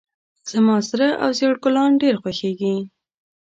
زما سره او زیړ ګلان ډیر خوښیږي